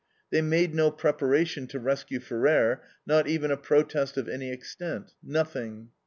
They made no preparation to rescue Ferrer, not even a protest of any extent; nothing.